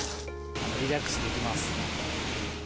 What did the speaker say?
リラックスできます。